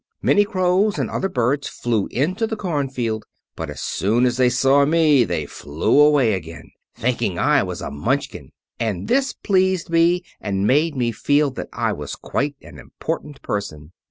Many crows and other birds flew into the cornfield, but as soon as they saw me they flew away again, thinking I was a Munchkin; and this pleased me and made me feel that I was quite an important person.